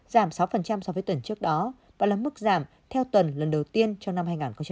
giảm sáu so với tuần trước đó và là mức giảm theo tuần lần đầu tiên cho năm hai nghìn một mươi hai